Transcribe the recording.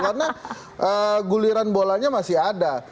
karena guliran bolanya masih ada